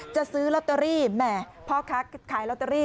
จะซื้อลอตเตอรี่นะเพราะขาลลอตเตอรี่